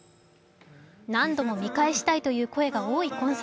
何度も見返したいという声が多い本作。